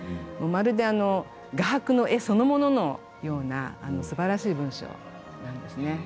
まるで画伯の絵そのもののようなすばらしい文章なんですね。